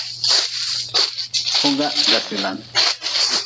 Hoga dasilan.